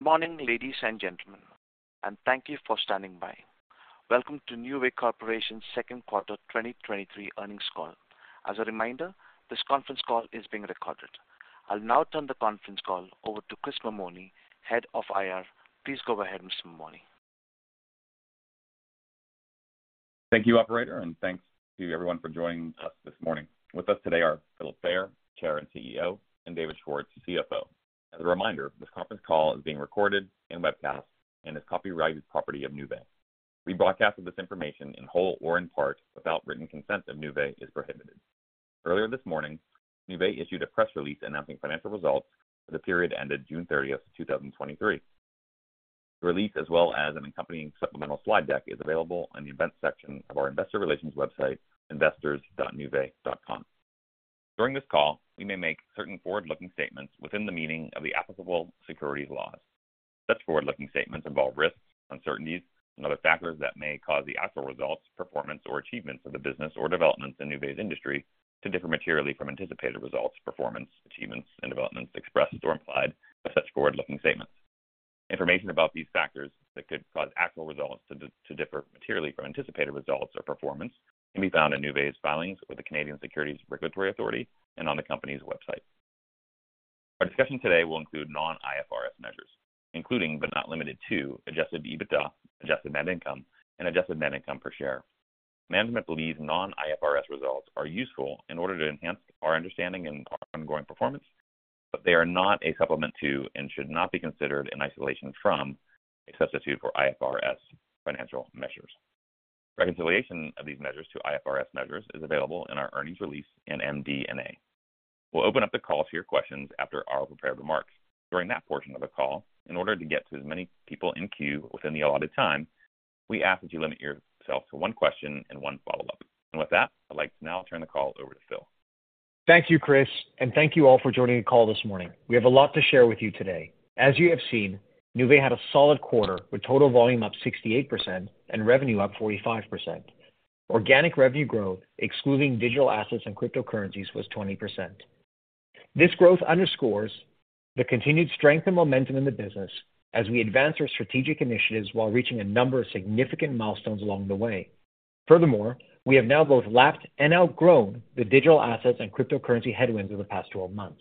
Morning, ladies and gentlemen, thank you for standing by. Welcome to Nuvei Corporation's second quarter 2023 earnings call. As a reminder, this conference call is being recorded. I'll now turn the conference call over to Chris Mammone, Head of IR. Please go ahead, Mr. Mammone. Thank you, operator, and thanks to everyone for joining us this morning. With us today are Philip Fayer, Chair and CEO, and David Schwartz, CFO. As a reminder, this conference call is being recorded and webcast and is copyrighted property of Nuvei. Rebroadcasting of this information in whole or in part without written consent of Nuvei is prohibited. Earlier this morning, Nuvei issued a press release announcing financial results for the period ended June 30th, 2023. The release, as well as an accompanying supplemental slide deck, is available on the events section of our investor relations website, investors.nuvei.com. During this call, we may make certain forward-looking statements within the meaning of the applicable securities laws. Such forward-looking statements involve risks, uncertainties, and other factors that may cause the actual results, performance, or achievements of the business or developments in Nuvei's industry to differ materially from anticipated results, performance, achievements, and developments expressed or implied by such forward-looking statements. Information about these factors that could cause actual results to differ materially from anticipated results or performance can be found in Nuvei's filings with the Canadian securities regulatory authorities and on the company's website. Our discussion today will include non-IFRS measures, including, but not limited to, adjusted EBITDA, adjusted net income, and adjusted net income per share. Management believes non-IFRS results are useful in order to enhance our understanding and ongoing performance, but they are not a supplement to and should not be considered in isolation from a substitute for IFRS financial measures. Reconciliation of these measures to IFRS measures is available in our earnings release and MD&A. We'll open up the call to your questions after our prepared remarks. During that portion of the call, in order to get to as many people in queue within the allotted time, we ask that you limit yourself to one question and one follow-up. With that, I'd like to now turn the call over to Phil. Thank you, Chris, and thank you all for joining the call this morning. We have a lot to share with you today. As you have seen, Nuvei had a solid quarter, with total volume up 68% and revenue up 45%. Organic revenue growth, excluding digital assets and cryptocurrencies, was 20%. This growth underscores the continued strength and momentum in the business as we advance our strategic initiatives while reaching a number of significant milestones along the way. Furthermore, we have now both lapped and outgrown the digital assets and cryptocurrency headwinds of the past 12 months.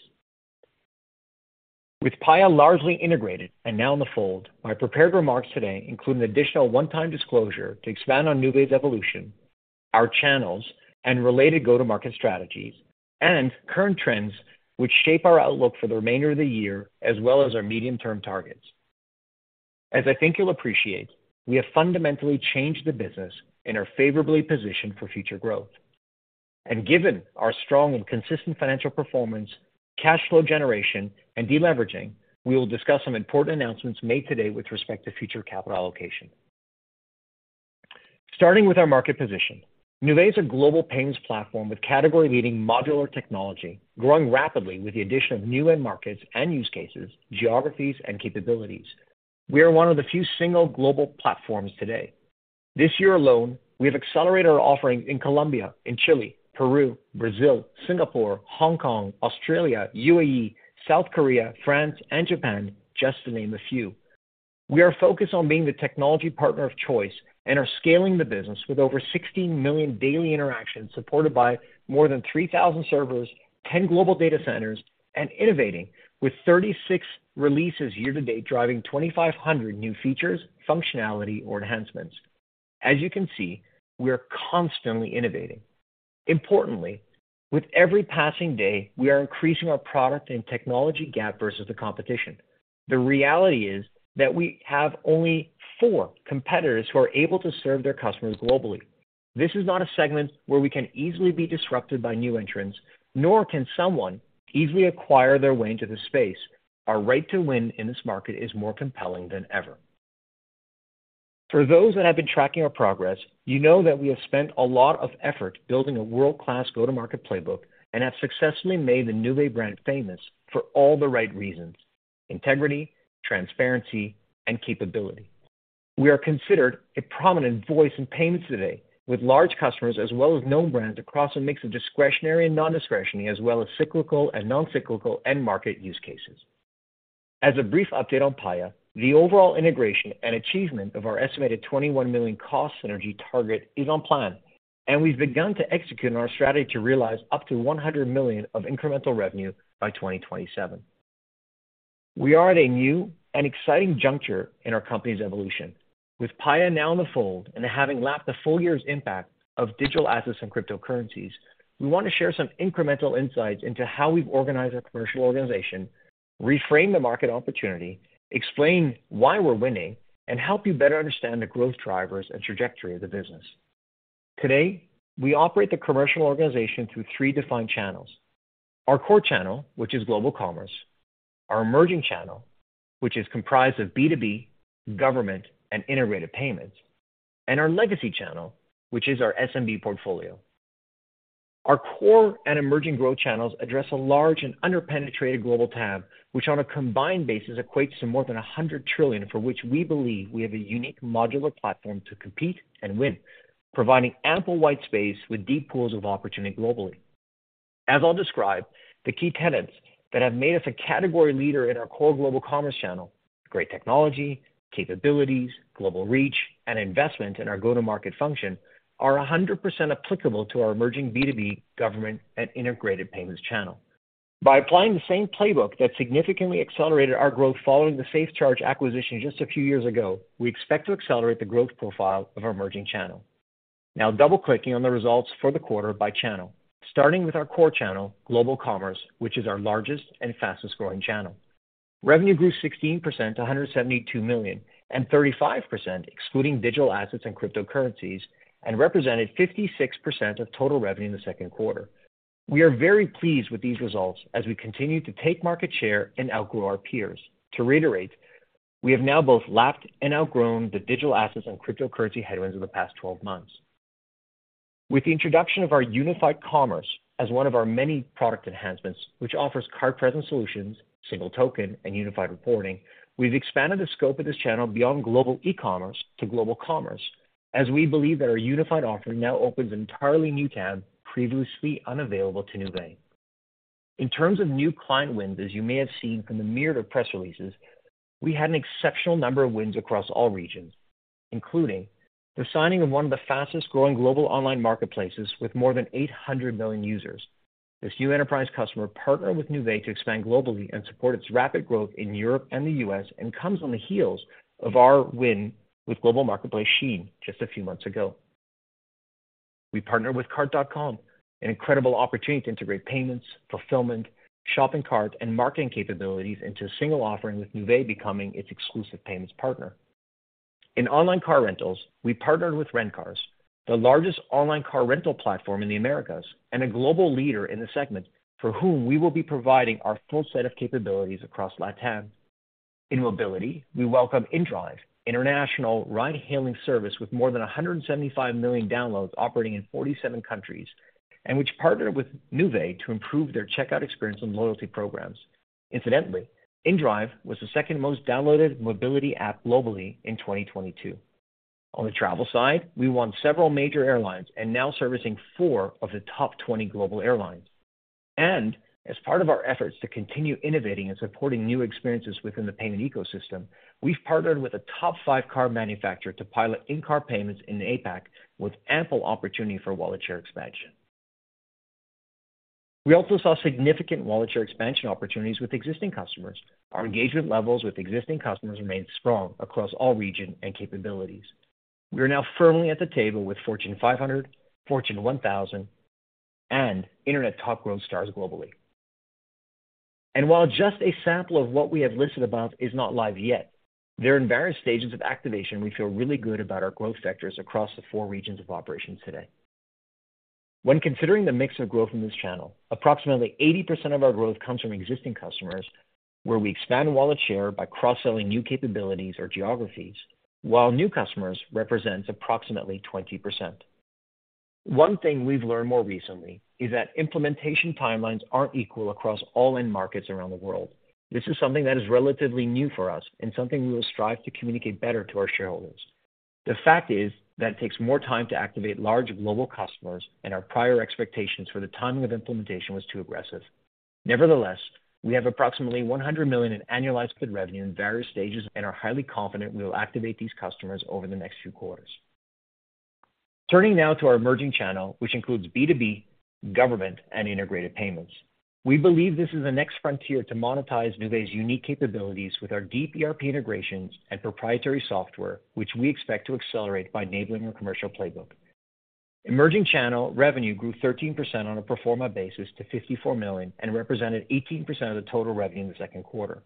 With Paya largely integrated and now in the fold, my prepared remarks today include an additional one-time disclosure to expand on Nuvei's evolution, our channels, and related go-to-market strategies, and current trends which shape our outlook for the remainder of the year, as well as our medium-term targets. As I think you'll appreciate, we have fundamentally changed the business and are favorably positioned for future growth. Given our strong and consistent financial performance, cash flow generation, and deleveraging, we will discuss some important announcements made today with respect to future capital allocation. Starting with our market position, Nuvei is a global payments platform with category-leading modular technology, growing rapidly with the addition of new end markets and use cases, geographies, and capabilities. We are one of the few single global platforms today. This year alone, we have accelerated our offerings in Colombia, in Chile, Peru, Brazil, Singapore, Hong Kong, Australia, UAE, South Korea, France, and Japan, just to name a few. We are focused on being the technology partner of choice and are scaling the business with over 16 million daily interactions, supported by more than 3,000 servers, 10 global data centers, and innovating with 36 releases year to date, driving 2,500 new features, functionality, or enhancements. As you can see, we are constantly innovating. Importantly, with every passing day, we are increasing our product and technology gap versus the competition. The reality is that we have only four competitors who are able to serve their customers globally. This is not a segment where we can easily be disrupted by new entrants, nor can someone easily acquire their way into the space. Our right to win in this market is more compelling than ever. For those that have been tracking our progress, you know that we have spent a lot of effort building a world-class go-to-market playbook and have successfully made the Nuvei brand famous for all the right reasons: integrity, transparency, and capability. We are considered a prominent voice in payments today, with large customers as well as known brands across a mix of discretionary and non-discretionary, as well as cyclical and non-cyclical end market use cases. As a brief update on Paya, the overall integration and achievement of our estimated $21 million cost synergy target is on plan, and we've begun to execute on our strategy to realize up to $100 million of incremental revenue by 2027. We are at a new and exciting juncture in our company's evolution. With Paya now in the fold and having lapped the full year's impact of digital assets and cryptocurrencies, we want to share some incremental insights into how we've organized our commercial organization, reframe the market opportunity, explain why we're winning, and help you better understand the growth drivers and trajectory of the business. Today, we operate the commercial organization through three defined channels: Our core channel, which is global commerce; our emerging channel, which is comprised of B2B, government, and integrated payments; and our legacy channel, which is our SMB portfolio. Our core and emerging growth channels address a large and under-penetrated global TAM, which on a combined basis equates to more than 100 trillion, for which we believe we have a unique modular platform to compete and win, providing ample white space with deep pools of opportunity globally. As I'll describe, the key tenets that have made us a category leader in our core global commerce channel, great technology, capabilities, global reach, and investment in our go-to-market function, are 100% applicable to our emerging B2B, government, and integrated payments channel. By applying the same playbook that significantly accelerated our growth following the SafeCharge acquisition just a few years ago, we expect to accelerate the growth profile of our emerging channel. Double-clicking on the results for the quarter by channel, starting with our core channel, global commerce, which is our largest and fastest growing channel. Revenue grew 16% to $172 million, 35%, excluding digital assets and cryptocurrencies, represented 56% of total revenue in the second quarter. We are very pleased with these results as we continue to take market share and outgrow our peers. To reiterate, we have now both lapped and outgrown the digital assets and cryptocurrency headwinds of the past 12 months. With the introduction of our Unified Commerce as one of our many product enhancements, which offers card-present solutions, single token, and unified reporting, we've expanded the scope of this channel beyond global e-commerce to global commerce, as we believe that our unified offering now opens an entirely new TAM previously unavailable to Nuvei. In terms of new client wins, as you may have seen from the myriad of press releases, we had an exceptional number of wins across all regions, including the signing of one of the fastest growing global online marketplaces with more than 800 million users. This new enterprise customer partnered with Nuvei to expand globally and support its rapid growth in Europe and the U.S., and comes on the heels of our win with global marketplace SHEIN just a few months ago. We partnered with Cart.com, an incredible opportunity to integrate payments, fulfillment, shopping cart, and marketing capabilities into a single offering, with Nuvei becoming its exclusive payments partner. In online car rentals, we partnered with Rentcars, the largest online car rental platform in the Americas, and a global leader in the segment, for whom we will be providing our full set of capabilities across Latam. In mobility, we welcome inDrive, international ride-hailing service with more than 175 million downloads operating in 47 countries, which partnered with Nuvei to improve their checkout experience and loyalty programs. Incidentally, inDrive was the second most downloaded mobility app globally in 2022. On the travel side, we won several major airlines and now servicing four of the top 20 global airlines. As part of our efforts to continue innovating and supporting new experiences within the payment ecosystem, we've partnered with a top five car manufacturer to pilot in-car payments in APAC, with ample opportunity for wallet share expansion. We also saw significant wallet share expansion opportunities with existing customers. Our engagement levels with existing customers remained strong across all region and capabilities. We are now firmly at the table with Fortune 500, Fortune 1000, and Internet Top Growth Stars globally. While just a sample of what we have listed above is not live yet, they're in various stages of activation. We feel really good about our growth sectors across the four regions of operations today. When considering the mix of growth in this channel, approximately 80% of our growth comes from existing customers, where we expand wallet share by cross-selling new capabilities or geographies, while new customers represents approximately 20%. One thing we've learned more recently is that implementation timelines aren't equal across all end markets around the world. This is something that is relatively new for us and something we will strive to communicate better to our shareholders. The fact is that it takes more time to activate large global customers, and our prior expectations for the timing of implementation was too aggressive. Nevertheless, we have approximately $100 million in annualized committed revenue in various stages and are highly confident we will activate these customers over the next few quarters. Turning now to our emerging channel, which includes B2B, government, and integrated payments. We believe this is the next frontier to monetize Nuvei's unique capabilities with our deep ERP integrations and proprietary software, which we expect to accelerate by enabling our commercial playbook. Emerging channel revenue grew 13% on a pro forma basis to $54 million and represented 18% of the total revenue in the second quarter.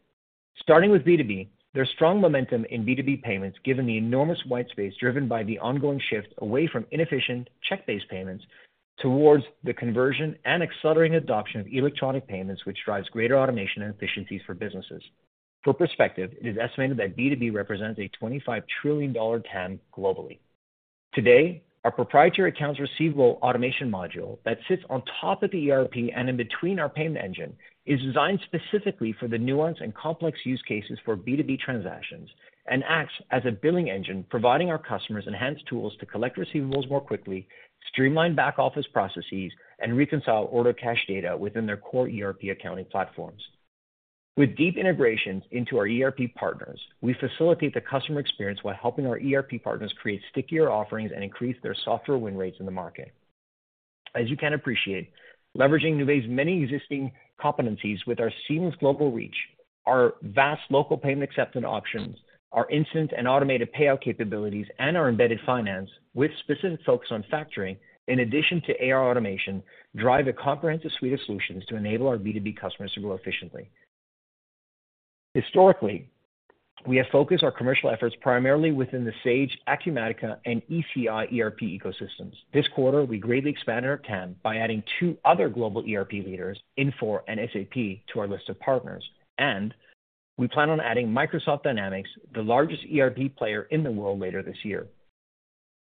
Starting with B2B, there's strong momentum in B2B payments given the enormous white space driven by the ongoing shift away from inefficient check-based payments towards the conversion and accelerating adoption of electronic payments, which drives greater automation and efficiencies for businesses. For perspective, it is estimated that B2B represents a $25 trillion TAM globally. Today, our proprietary accounts receivable automation module that sits on top of the ERP and in between our payment engine, is designed specifically for the nuanced and complex use cases for B2B transactions and acts as a billing engine, providing our customers enhanced tools to collect receivables more quickly, streamline back-office processes, and reconcile order cash data within their core ERP accounting platforms. With deep integrations into our ERP partners, we facilitate the customer experience while helping our ERP partners create stickier offerings and increase their software win rates in the market. As you can appreciate, leveraging Nuvei's many existing competencies with our seamless global reach, our vast local payment acceptance options, our instant and automated payout capabilities, and our embedded finance with specific focus on factoring, in addition to AR automation, drive a comprehensive suite of solutions to enable our B2B customers to grow efficiently. Historically, we have focused our commercial efforts primarily within the Sage, Acumatica, and ECI ERP ecosystems. This quarter, we greatly expanded our TAM by adding two other global ERP leaders, Infor and SAP, to our list of partners, and we plan on adding Microsoft Dynamics, the largest ERP player in the world, later this year.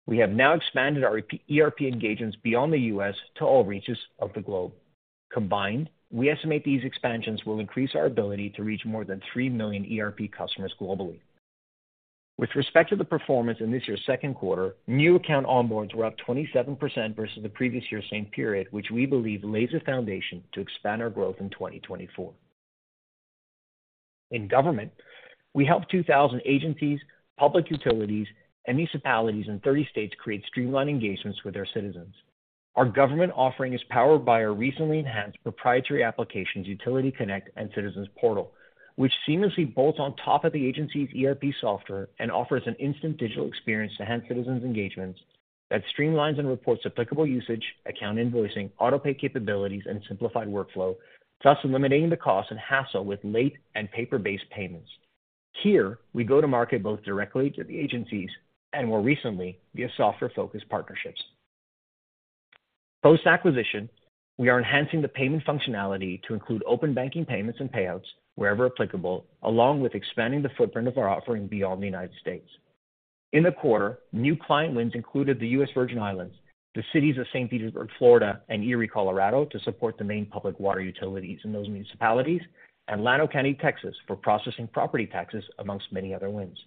We have now expanded our ERP engagements beyond the U.S. to all reaches of the globe. Combined, we estimate these expansions will increase our ability to reach more than 3 million ERP customers globally. With respect to the performance in this year's second quarter, new account onboards were up 27% versus the previous year's same period, which we believe lays the foundation to expand our growth in 2024. In government, we helped 2,000 agencies, public utilities, and municipalities in 30 states create streamlined engagements with their citizens. Our government offering is powered by our recently enhanced proprietary applications, Utility Connect and Citizens Portal, which seamlessly bolts on top of the agency's ERP software and offers an instant digital experience to enhance citizens' engagement that streamlines and reports applicable usage, account invoicing, auto-pay capabilities, and simplified workflow, thus eliminating the cost and hassle with late and paper-based payments. Here, we go to market both directly to the agencies and, more recently, via software-focused partnerships. Post-acquisition, we are enhancing the payment functionality to include open banking payments and payouts wherever applicable, along with expanding the footprint of our offering beyond the United States. In the quarter, new client wins included the US Virgin Islands, the cities of St. Petersburg, Florida, and Erie, Colorado, to support the main public water utilities in those municipalities, and Llano County, Texas, for processing property taxes, amongst many other wins.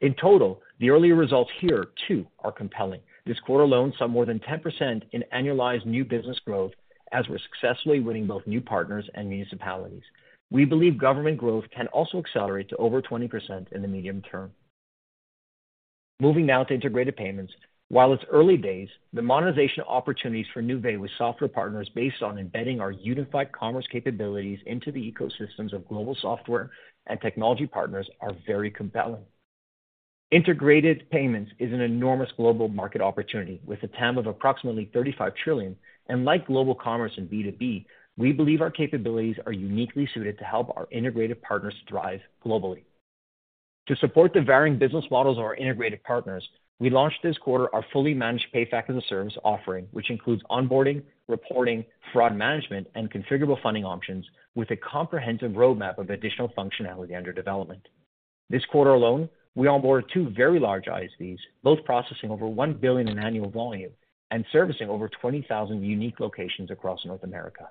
In total, the early results here, too, are compelling. This quarter alone, some more than 10% in annualized new business growth as we're successfully winning both new partners and municipalities. We believe government growth can also accelerate to over 20% in the medium term. Moving now to integrated payments. While it's early days, the monetization opportunities for Nuvei with software partners based on embedding our Unified Commerce capabilities into the ecosystems of global software and technology partners are very compelling. Integrated payments is an enormous global market opportunity, with a TAM of approximately $35 trillion. Like global commerce and B2B, we believe our capabilities are uniquely suited to help our integrated partners thrive globally. To support the varying business models of our integrated partners, we launched this quarter our fully managed PayFac-as-a-Service offering, which includes onboarding, reporting, fraud management, and configurable funding options with a comprehensive roadmap of additional functionality under development. This quarter alone, we onboarded two very large ISVs, both processing over $1 billion in annual volume and servicing over 20,000 unique locations across North America.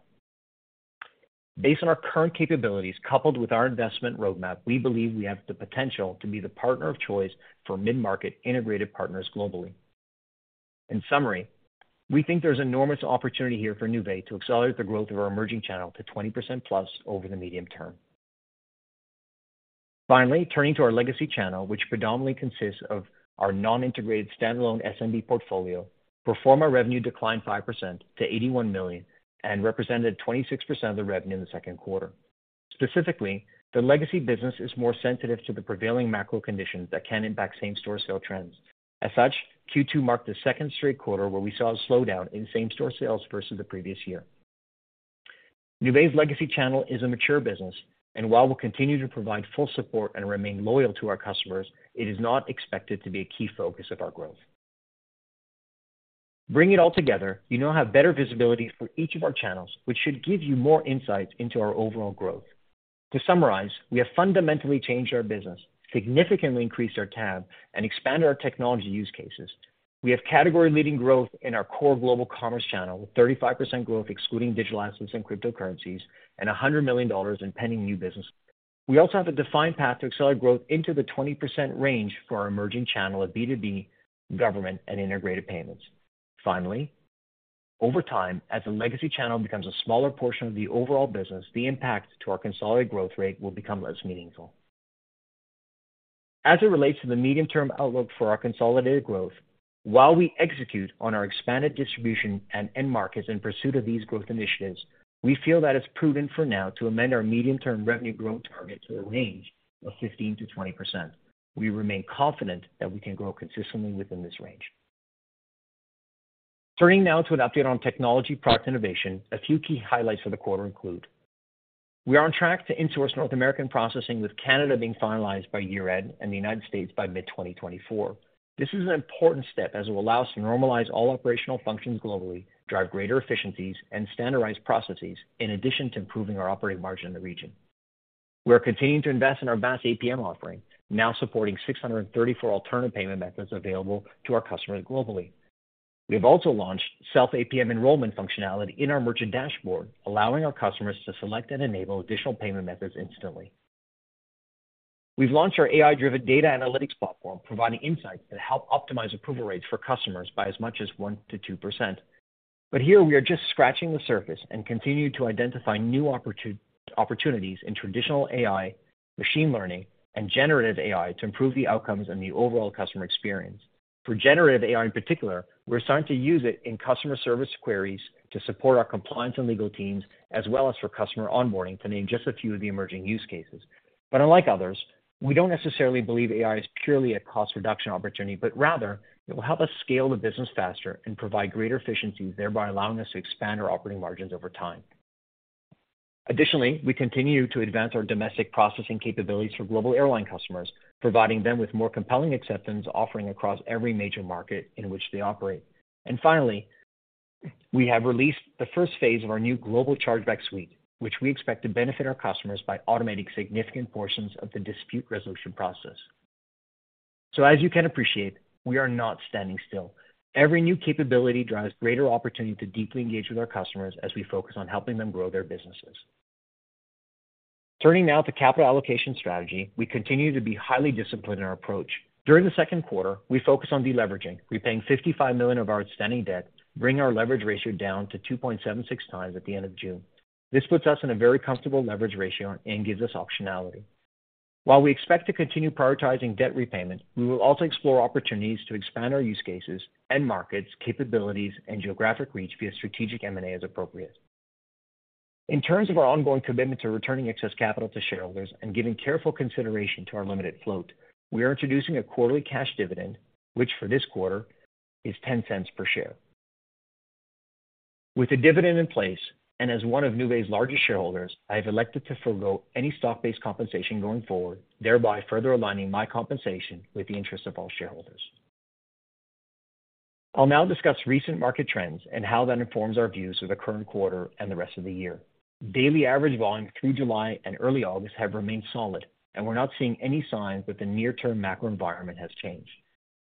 Based on our current capabilities, coupled with our investment roadmap, we believe we have the potential to be the partner of choice for mid-market integrated partners globally. In summary, we think there's enormous opportunity here for Nuvei to accelerate the growth of our emerging channel to 20%+ over the medium term. Finally, turning to our legacy channel, which predominantly consists of our non-integrated standalone SMB portfolio, pro forma revenue declined 5% to $81 million and represented 26% of the revenue in the second quarter. Specifically, the legacy business is more sensitive to the prevailing macro conditions that can impact same-store sale trends. As such, Q2 marked the second straight quarter where we saw a slowdown in same-store sales versus the previous year. Nuvei's legacy channel is a mature business, and while we'll continue to provide full support and remain loyal to our customers, it is not expected to be a key focus of our growth. Bringing it all together, you now have better visibility for each of our channels, which should give you more insight into our overall growth. To summarize, we have fundamentally changed our business, significantly increased our TAM, and expanded our technology use cases. We have category-leading growth in our core global commerce channel, with 35% growth excluding digital assets and cryptocurrencies, and $100 million in pending new business. We also have a defined path to accelerate growth into the 20% range for our emerging channel of B2B, government, and integrated payments. Finally, over time, as the legacy channel becomes a smaller portion of the overall business, the impact to our consolidated growth rate will become less meaningful. As it relates to the medium-term outlook for our consolidated growth, while we execute on our expanded distribution and end markets in pursuit of these growth initiatives, we feel that it's prudent for now to amend our medium-term revenue growth target to a range of 15%-20%. We remain confident that we can grow consistently within this range. Turning now to an update on technology product innovation. A few key highlights for the quarter include: We are on track to insource North American processing, with Canada being finalized by year-end and the United States by mid 2024. This is an important step as it will allow us to normalize all operational functions globally, drive greater efficiencies, and standardize processes, in addition to improving our operating margin in the region. We are continuing to invest in our mass APM offering, now supporting 634 alternative payment methods available to our customers globally. We've also launched self APM enrollment functionality in our merchant dashboard, allowing our customers to select and enable additional payment methods instantly. We've launched our AI-driven data analytics platform, providing insights that help optimize approval rates for customers by as much as 1%-2%. Here we are just scratching the surface and continue to identify new opportunities in traditional AI, machine learning, and generative AI to improve the outcomes and the overall customer experience. For generative AI, in particular, we're starting to use it in customer service queries to support our compliance and legal teams, as well as for customer onboarding, to name just a few of the emerging use cases. Unlike others, we don't necessarily believe AI is purely a cost reduction opportunity, but rather it will help us scale the business faster and provide greater efficiency, thereby allowing us to expand our operating margins over time. Additionally, we continue to advance our domestic processing capabilities for global airline customers, providing them with more compelling acceptance offering across every major market in which they operate. Finally, we have released the first phase of our new global chargeback suite, which we expect to benefit our customers by automating significant portions of the dispute resolution process. As you can appreciate, we are not standing still. Every new capability drives greater opportunity to deeply engage with our customers as we focus on helping them grow their businesses. Turning now to capital allocation strategy, we continue to be highly disciplined in our approach. During the second quarter, we focused on deleveraging, repaying $55 million of our outstanding debt, bringing our leverage ratio down to 2.76x at the end of June. This puts us in a very comfortable leverage ratio and gives us optionality. While we expect to continue prioritizing debt repayments, we will also explore opportunities to expand our use cases, end markets, capabilities, and geographic reach via strategic M&A as appropriate. In terms of our ongoing commitment to returning excess capital to shareholders and giving careful consideration to our limited float, we are introducing a quarterly cash dividend, which for this quarter is $0.10 per share. With the dividend in place, and as one of Nuvei's largest shareholders, I have elected to forego any stock-based compensation going forward, thereby further aligning my compensation with the interests of all shareholders. I'll now discuss recent market trends and how that informs our views of the current quarter and the rest of the year. Daily average volume through July and early August have remained solid, and we're not seeing any signs that the near-term macro environment has changed.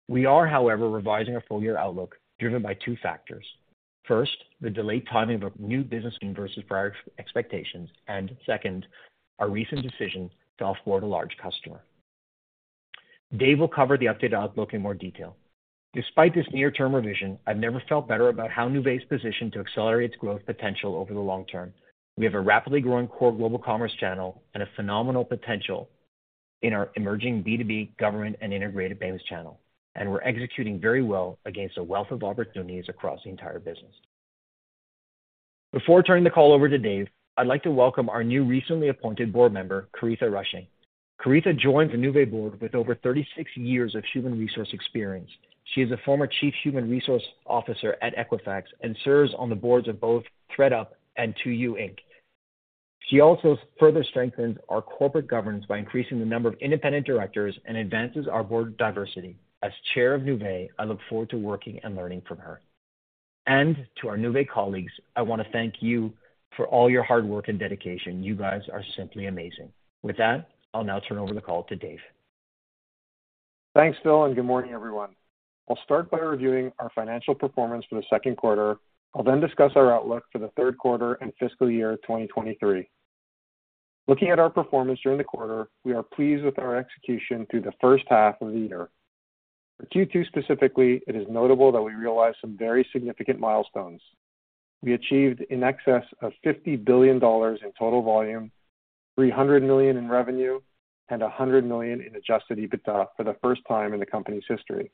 We are, however, revising our full-year outlook, driven by two factors. First, the delayed timing of new business versus prior expectations, and second, our recent decision to off-board a large customer. Dave will cover the updated outlook in more detail. Despite this near-term revision, I've never felt better about how Nuvei is positioned to accelerate its growth potential over the long term. We have a rapidly growing core global commerce channel and a phenomenal potential in our emerging B2B, government, and integrated payments channel, and we're executing very well against a wealth of opportunities across the entire business. Before turning the call over to Dave, I'd like to welcome our new recently appointed board member, Coretha Rushing. Coretha joins the Nuvei board with over 36 years of human resource experience. She is a former Chief Human Resource Officer at Equifax and serves on the boards of both ThredUp and 2U, Inc. She also further strengthens our corporate governance by increasing the number of independent directors and advances our board diversity. As chair of Nuvei, I look forward to working and learning from her. To our Nuvei colleagues, I want to thank you for all your hard work and dedication. You guys are simply amazing. With that, I'll now turn over the call to Dave. Thanks, Phil, and good morning, everyone. I'll start by reviewing our financial performance for the 2nd quarter. I'll then discuss our outlook for the 3rd quarter and fiscal year 2023. Looking at our performance during the quarter, we are pleased with our execution through the first half of the year. For Q2 specifically, it is notable that we realized some very significant milestones. We achieved in excess of $50 billion in total volume, $300 million in revenue, and $100 million in Adjusted EBITDA for the first time in the company's history.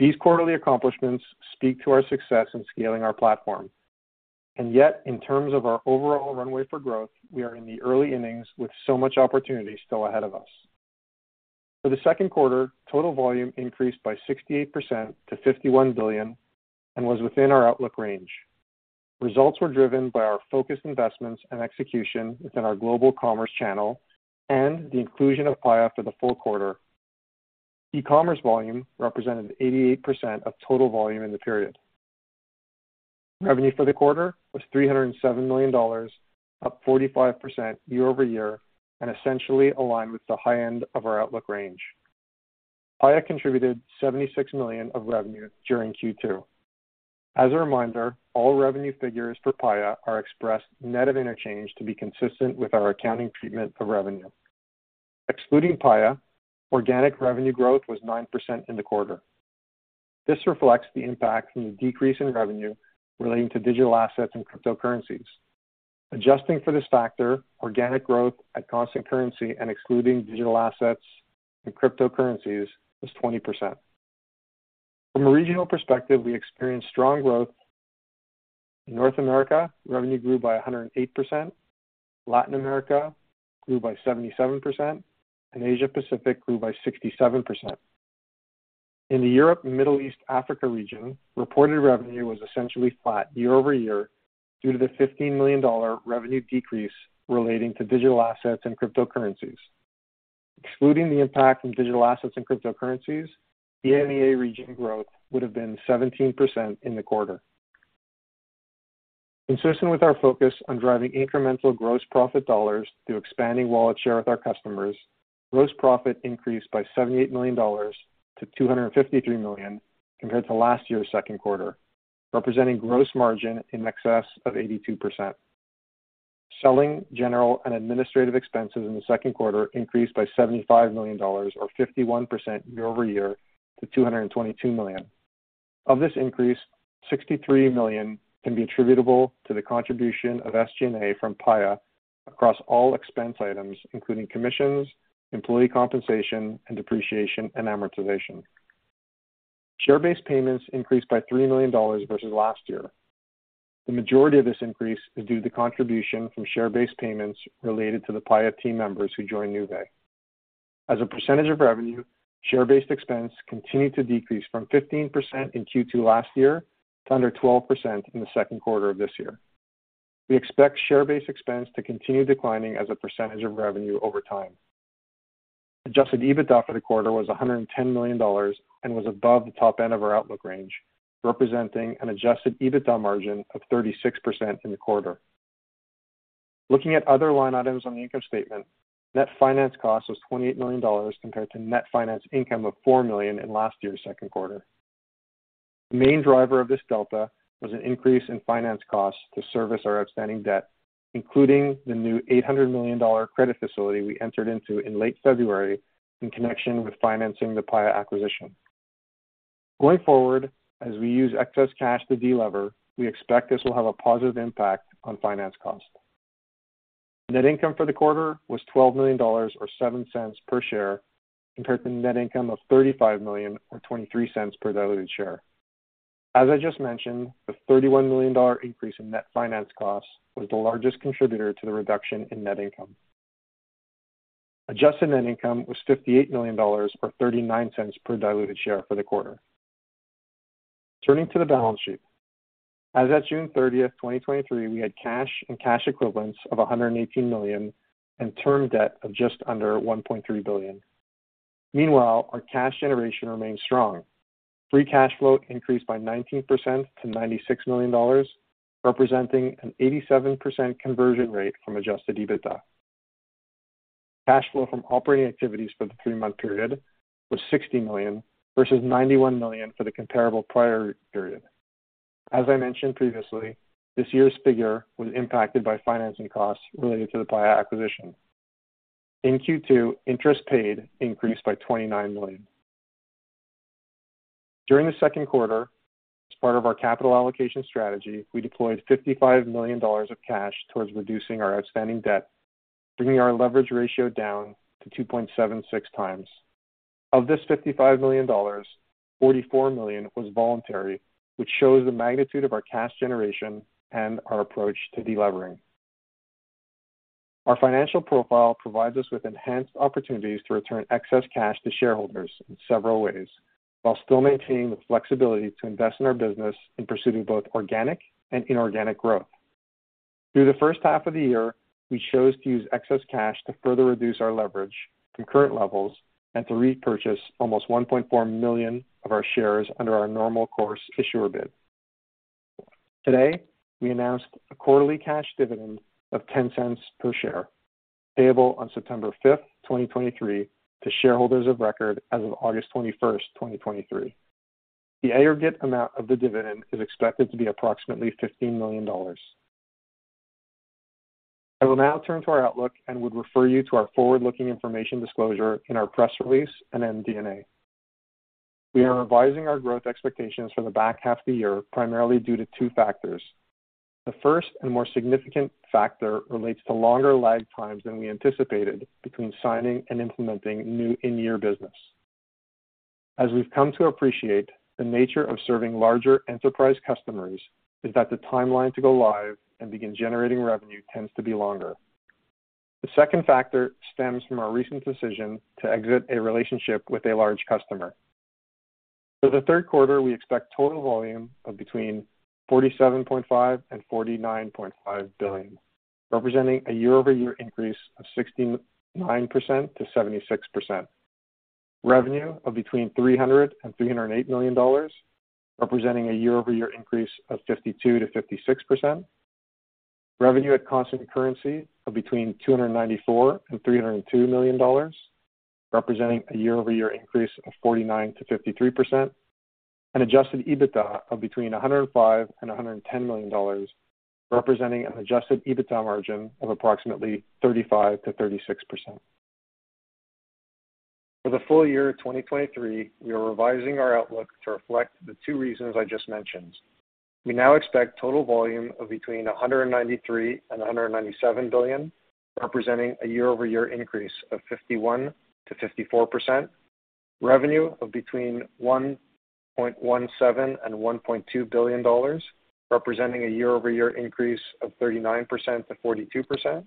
These quarterly accomplishments speak to our success in scaling our platform, and yet, in terms of our overall runway for growth, we are in the early innings with so much opportunity still ahead of us. For the second quarter, total volume increased by 68% to $51 billion and was within our outlook range. Results were driven by our focused investments and execution within our global commerce channel and the inclusion of Paya for the full quarter. E-commerce volume represented 88% of total volume in the period. Revenue for the quarter was $307 million, up 45% year-over-year, and essentially aligned with the high end of our outlook range. Paya contributed $76 million of revenue during Q2. As a reminder, all revenue figures for Paya are expressed net of interchange to be consistent with our accounting treatment of revenue. Excluding Paya, organic revenue growth was 9% in the quarter. This reflects the impact from the decrease in revenue relating to digital assets and cryptocurrencies. Adjusting for this factor, organic growth at constant currency and excluding digital assets and cryptocurrencies was 20%. From a regional perspective, we experienced strong growth. In North America, revenue grew by 108%, Latin America grew by 77%, Asia Pacific grew by 67%. In the Europe, Middle East, Africa region, reported revenue was essentially flat year-over-year due to the $15 million revenue decrease relating to digital assets and cryptocurrencies. Excluding the impact from digital assets and cryptocurrencies, the EMEA region growth would have been 17% in the quarter. Consistent with our focus on driving incremental gross profit dollars through expanding wallet share with our customers, gross profit increased by $78 million to $253 million compared to last year's second quarter, representing gross margin in excess of 82%. Selling, general, and administrative expenses in the second quarter increased by $75 million or 51% year-over-year to $222 million. Of this increase, $63 million can be attributable to the contribution of SG&A from Paya across all expense items, including commissions, employee compensation, and depreciation and amortization. Share-based payments increased by $3 million versus last year. The majority of this increase is due to contribution from share-based payments related to the Paya team members who joined Nuvei. As a percentage of revenue, share-based expense continued to decrease from 15% in Q2 last year to under 12% in the second quarter of this year. We expect share-based expense to continue declining as a percentage of revenue over time. Adjusted EBITDA for the quarter was $110 million and was above the top end of our outlook range, representing an adjusted EBITDA margin of 36% in the quarter. Looking at other line items on the income statement, net finance cost was $28 million compared to net finance income of $4 million in last year's second quarter. The main driver of this delta was an increase in finance costs to service our outstanding debt, including the new $800 million credit facility we entered into in late February in connection with financing the Paya acquisition. Going forward, as we use excess cash to delever, we expect this will have a positive impact on finance costs. Net income for the quarter was $12 million, or $0.07 per share, compared to net income of $35 million, or $0.23 per diluted share. As I just mentioned, the $31 million increase in net finance costs was the largest contributor to the reduction in net income. Adjusted net income was $58 million, or $0.39 per diluted share for the quarter. Turning to the balance sheet. As at June 30th, 2023, we had cash and cash equivalents of $118 million, and term debt of just under $1.3 billion. Our cash generation remains strong. Free cash flow increased by 19% to $96 million, representing an 87% conversion rate from adjusted EBITDA. Cash flow from operating activities for the three-month period was $60 million, versus $91 million for the comparable prior period. As I mentioned previously, this year's figure was impacted by financing costs related to the Paya acquisition. In Q2, interest paid increased by $29 million. During the second quarter, as part of our capital allocation strategy, we deployed $55 million of cash towards reducing our outstanding debt, bringing our leverage ratio down to 2.76x. Of this $55 million, $44 million was voluntary, which shows the magnitude of our cash generation and our approach to delivering. Our financial profile provides us with enhanced opportunities to return excess cash to shareholders in several ways, while still maintaining the flexibility to invest in our business in pursuing both organic and inorganic growth. Through the first half of the year, we chose to use excess cash to further reduce our leverage to current levels and to repurchase almost 1.4 million of our shares under our normal course issuer bid. Today, we announced a quarterly cash dividend of $0.10 per share, payable on September 5th, 2023, to shareholders of record as of August 21st, 2023. The aggregate amount of the dividend is expected to be approximately $15 million. I will now turn to our outlook and would refer you to our forward-looking information disclosure in our press release and then MD&A. We are revising our growth expectations for the back half of the year, primarily due to two factors. The first and more significant factor relates to longer lag times than we anticipated between signing and implementing new in-year business. As we've come to appreciate, the nature of serving larger enterprise customers is that the timeline to go live and begin generating revenue tends to be longer. The second factor stems from our recent decision to exit a relationship with a large customer. For the third quarter, we expect total volume of between $47.5 billion and $49.5 billion, representing a year-over-year increase of 69%-76%. Revenue of between $300 million and $308 million, representing a year-over-year increase of 52%-56%. Revenue at constant currency of between $294 million and $302 million, representing a year-over-year increase of 49%-53%, and adjusted EBITDA of between $105 million and $110 million, representing an adjusted EBITDA margin of approximately 35%-36%. For the full year of 2023, we are revising our outlook to reflect the two reasons I just mentioned. We now expect total volume of between $193 billion and $197 billion, representing a year-over-year increase of 51%-54%. Revenue of between $1.17 billion and $1.2 billion, representing a year-over-year increase of 39%-42%.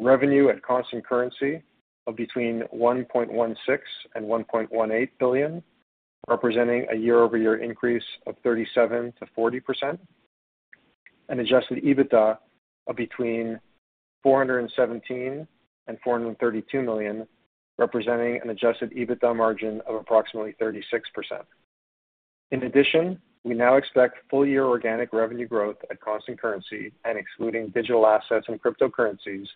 Revenue at constant currency of between $1.16 billion and $1.18 billion, representing a year-over-year increase of 37%-40%. Adjusted EBITDA of between $417 million and $432 million, representing an adjusted EBITDA margin of approximately 36%. In addition, we now expect full-year organic revenue growth at constant currency and excluding digital assets and cryptocurrencies,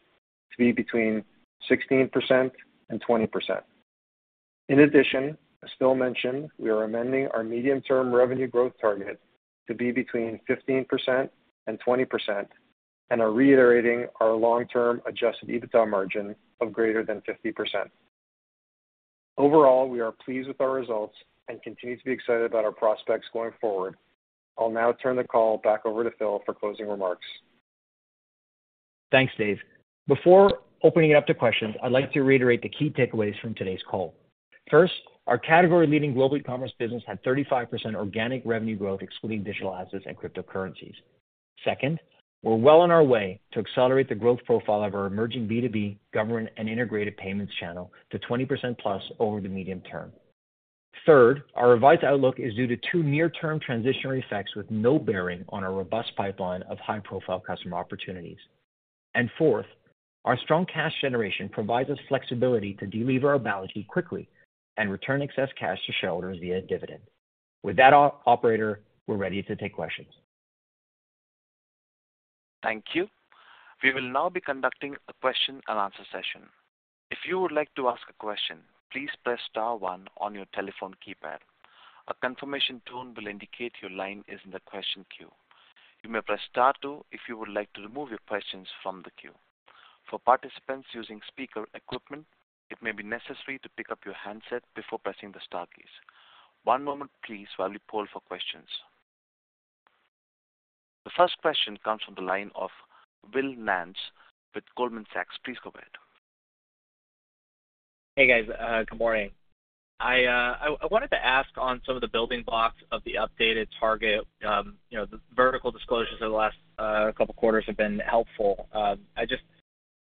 to be between 16% and 20%. In addition, as Phil mentioned, we are amending our medium-term revenue growth target to be between 15% and 20%, and are reiterating our long-term adjusted EBITDA margin of greater than 50%. Overall, we are pleased with our results and continue to be excited about our prospects going forward. I'll now turn the call back over to Phil for closing remarks. Thanks, Dave. Before opening it up to questions, I'd like to reiterate the key takeaways from today's call. First, our category-leading global commerce business had 35% organic revenue growth, excluding digital assets and cryptocurrencies. Second, we're well on our way to accelerate the growth profile of our emerging B2B, government, and integrated payments channel to 20%+ over the medium term. Third, our revised outlook is due to two near-term transitionary effects with no bearing on our robust pipeline of high-profile customer opportunities. Fourth, our strong cash generation provides us flexibility to deliver our balance sheet quickly and return excess cash to shareholders via dividends. With that, operator, we're ready to take questions. Thank you. We will now be conducting a question and answer session. If you would like to ask a question, please press star one on your telephone keypad. A confirmation tone will indicate your line is in the question queue. You may press star two if you would like to remove your questions from the queue. For participants using speaker equipment, it may be necessary to pick up your handset before pressing the star keys. One moment please, while we poll for questions. The first question comes from the line of William Nance with Goldman Sachs. Please go ahead. Hey, guys, good morning. I, I, I wanted to ask on some of the building blocks of the updated target, you know, the vertical disclosures over the last couple of quarters have been helpful.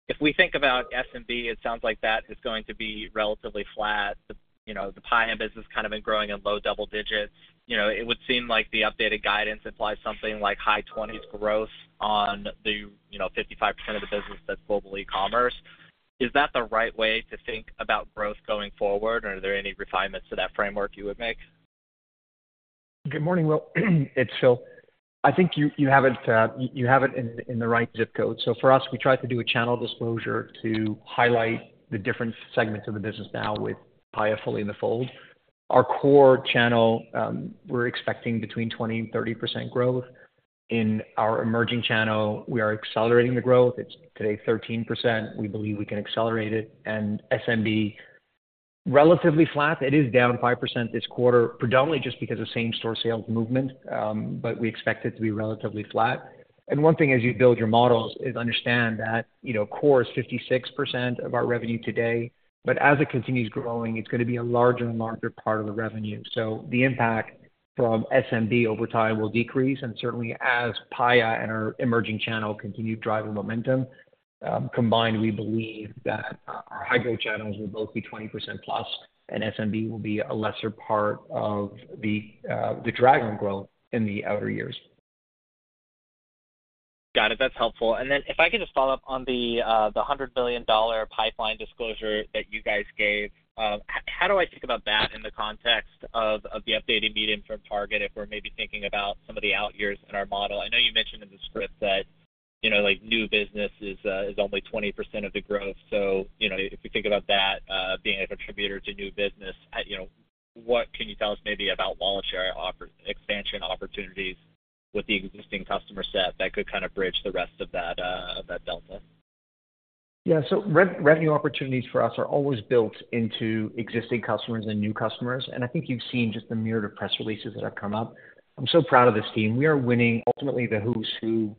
If we think about SMB, it sounds like that is going to be relatively flat. The, you know, the Paya business kind of been growing in low double digits. You know, it would seem like the updated guidance implies something like high 20s growth on the, you know, 55% of the business that's global e-commerce. Is that the right way to think about growth going forward, or are there any refinements to that framework you would make? Good morning, Will. It's Phil. I think you, you have it, you, you have it in, in the right zip code. For us, we tried to do a channel disclosure to highlight the different segments of the business now with Paya fully in the fold. Our core channel, we're expecting between 20%-30% growth. In our emerging channel, we are accelerating the growth. It's today 13%. We believe we can accelerate it, and SMB, relatively flat, it is down 5% this quarter, predominantly just because of same-store sales movement, but we expect it to be relatively flat. One thing as you build your models is understand that, you know, core is 56% of our revenue today, but as it continues growing, it's gonna be a larger and larger part of the revenue. The impact from SMB over time will decrease, and certainly as Paya and our emerging channel continue driving momentum, combined, we believe that, our high-growth channels will both be 20%+, and SMB will be a lesser part of the, the driving growth in the outer years. Got it. That's helpful. Then if I could just follow up on the, the $100 billion pipeline disclosure that you guys gave, how do I think about that in the context of, of the updated medium-term target, if we're maybe thinking about some of the out years in our model? I know you mentioned in the script that, you know, like, new business is, is only 20% of the growth, so, you know, if we think about that, being an contributor to new business, you know, what can you tell us maybe about wallet share expansion opportunities with the existing customer set that could kind of bridge the rest of that, of that delta? Yeah, so re-revenue opportunities for us are always built into existing customers and new customers, and I think you've seen just the myriad of press releases that have come up. I'm so proud of this team. We are winning, ultimately, the who's who,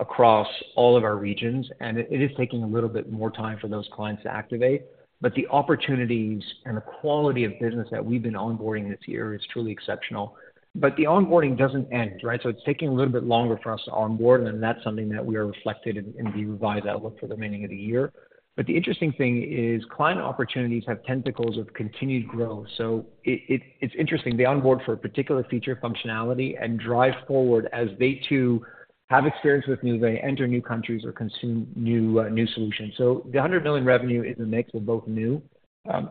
across all of our regions, and it is taking a little bit more time for those clients to activate. The opportunities and the quality of business that we've been onboarding this year is truly exceptional. The onboarding doesn't end, right? It's taking a little bit longer for us to onboard, and that's something that we are reflected in, in the revised outlook for the remaining of the year. The interesting thing is, client opportunities have tentacles of continued growth. It's interesting. They onboard for a particular feature functionality and drive forward as they too, have experience with Nuvei, enter new countries or consume new solutions. The $100 million revenue in the mix were both new.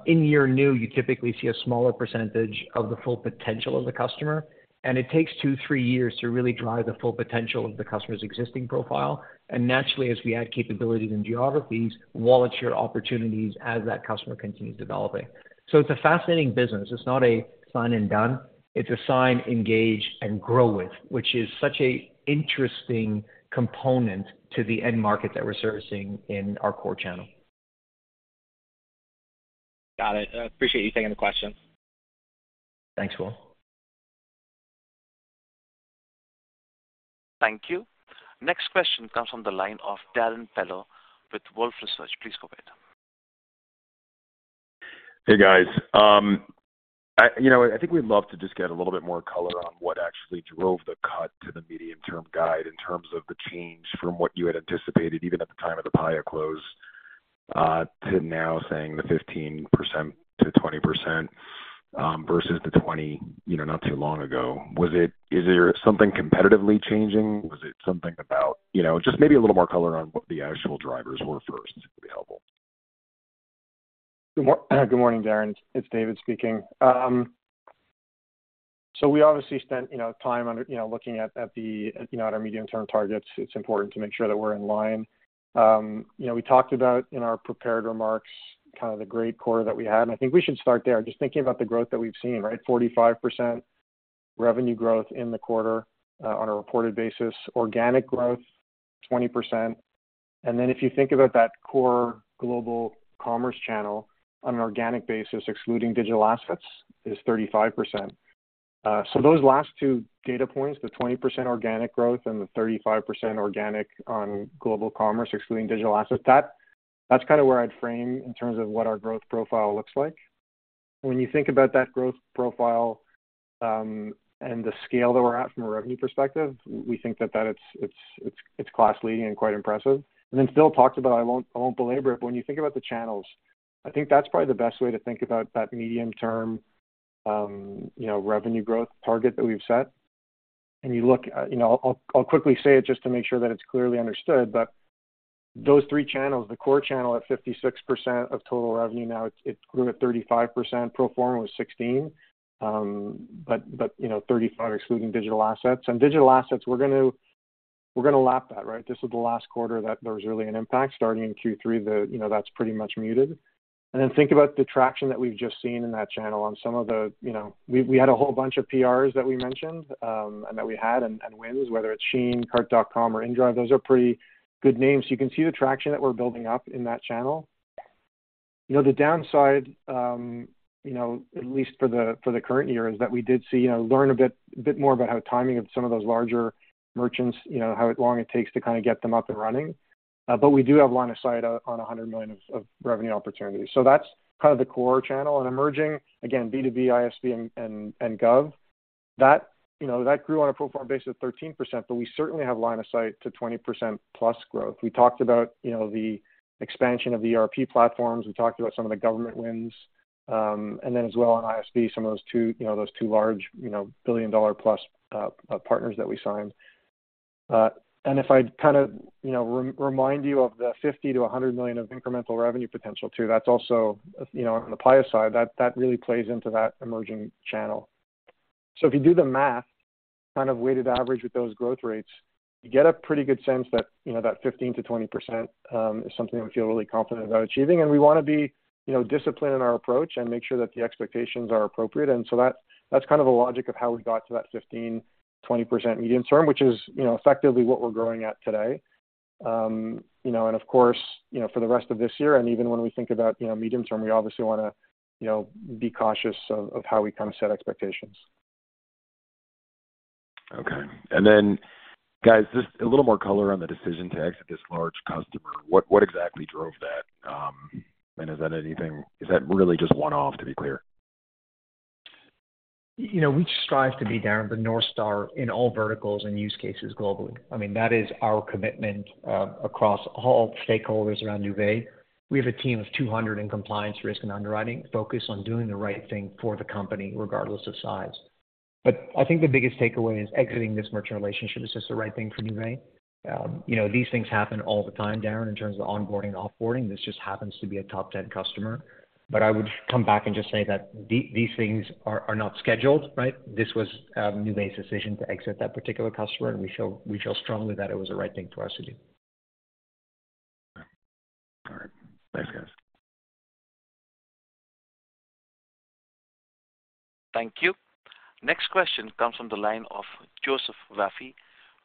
In year new, you typically see a smaller percentage of the full potential of the customer, and it takes two, three years to really drive the full potential of the customer's existing profile. Naturally, as we add capabilities and geographies, wallet share opportunities as that customer continues developing. It's a fascinating business. It's not a sign and done. It's a sign, engage, and grow with, which is such a interesting component to the end market that we're servicing in our core channel. Got it. appreciate you taking the question. Thanks, Will. Thank you. Next question comes from the line of Darrin Peller with Wolfe Research. Please go ahead. Hey, guys. I, you know, I think we'd love to just get a little bit more color on what actually drove the cut to the medium-term guide in terms of the change from what you had anticipated, even at the time of the Paya close, to now saying the 15%-20% versus the 20%, you know, not too long ago. Is there something competitively changing? Was it something about, you know, just maybe a little more color on what the actual drivers were first would be helpful? Good morning, Darrin. It's David speaking. We obviously spent, you know, time under, you know, looking at the, you know, at our medium-term targets. It's important to make sure that we're in line. You know, we talked about in our prepared remarks, kind of the great quarter that we had, and I think we should start there. Just thinking about the growth that we've seen, right? 45% revenue growth in the quarter on a reported basis. Organic growth, 20%. Then if you think about that core global commerce channel, on an organic basis, excluding digital assets, is 35%. Those last two data points, the 20% organic growth and the 35% organic on global commerce, excluding digital assets, that's kind of where I'd frame in terms of what our growth profile looks like. When you think about that growth profile, and the scale that we're at from a revenue perspective, we think that, that it's, it's, it's, it's class-leading and quite impressive. Phil talked about. I won't, I won't belabor it. When you think about the channels, I think that's probably the best way to think about that medium-term, you know, revenue growth target that we've set. You look, you know, I'll, I'll quickly say it just to make sure that it's clearly understood, but. Those three channels, the core channel at 56% of total revenue. Now it grew at 35%, pro forma was 16. but, you know, 35 excluding digital assets. Digital assets, we're gonna lap that, right? This is the last quarter that there was really an impact. Starting in Q3, you know, that's pretty much muted. Think about the traction that we've just seen in that channel on some of the, you know, we, we had a whole bunch of PRs that we mentioned, and that we had and, and wins, whether it's SHEIN, Cart.com or inDrive, those are pretty good names. You can see the traction that we're building up in that channel. You know, the downside, you know, at least for the, for the current year, is that we did see, you know, learn a bit more about how timing of some of those larger merchants, you know, how long it takes to kinda get them up and running. We do have line of sight on, on $100 million of, of revenue opportunities. That's kind of the core channel and emerging, again, B2B, ISV and, and, and Gov. That, you know, that grew on a pro forma basis of 13%, but we certainly have line of sight to 20%+ growth. We talked about, you know, the expansion of the ERP platforms. We talked about some of the government wins, and then as well on ISV, some of those two, you know, those two large, you know, $1 billion+ partners that we signed. And if I'd kind of, you know, re-remind you of the $50 million-$100 million of incremental revenue potential, too, that's also, you know, on the Paya side, that, that really plays into that emerging channel. If you do the math, kind of weighted average with those growth rates, you get a pretty good sense that, you know, that 15%-20% is something we feel really confident about achieving. We wanna be, you know, disciplined in our approach and make sure that the expectations are appropriate. That, that's kind of the logic of how we got to that 15%-20% medium term, which is, you know, effectively what we're growing at today. You know, and of course, you know, for the rest of this year, and even when we think about, you know, medium term, we obviously wanna, you know, be cautious of, of how we kind of set expectations. Okay. Then, guys, just a little more color on the decision to exit this large customer? What, what exactly drove that? Is that really just one-off, to be clear? You know, we strive to be, Darrin, the North Star in all verticals and use cases globally. I mean, that is our commitment across all stakeholders around Nuvei. We have a team of 200 in compliance, risk, and underwriting, focused on doing the right thing for the company, regardless of size. I think the biggest takeaway is exiting this merchant relationship is just the right thing for Nuvei. You know, these things happen all the time, Darrin, in terms of onboarding and off-boarding. This just happens to be a top 10 customer. I would come back and just say that these things are, are not scheduled, right? This was Nuvei's decision to exit that particular customer, and we feel, we feel strongly that it was the right thing for us to do. All right. Thanks, guys. Thank you. Next question comes from the line of Joseph Vafi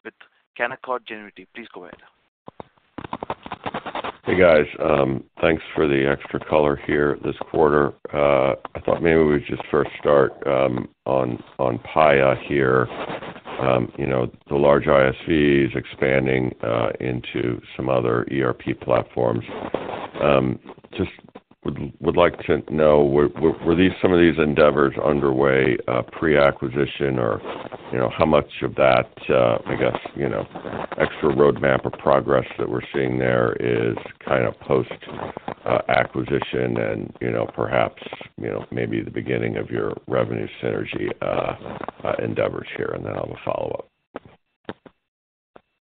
with Canaccord Genuity. Please go ahead. Hey, guys. Thanks for the extra color here this quarter. I thought maybe we would just first start on Paya here. You know, the large ISV is expanding into some other ERP platforms. Just would like to know, were these, some of these endeavors underway pre-acquisition? Or, you know, how much of that, I guess, you know, extra roadmap or progress that we're seeing there is kind of post acquisition and, you know, perhaps, you know, maybe the beginning of your revenue synergy endeavors here, and then I'll have a follow-up.